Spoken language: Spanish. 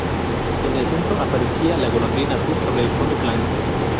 En el centro aparecía la golondrina azul sobre un fondo blanco.